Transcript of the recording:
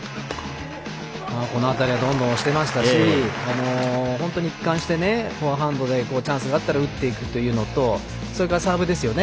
この辺りはどんどん押してましたし一貫してフォアハンドでチャンスがあったら打っていくっていうのとそれからサーブですよね。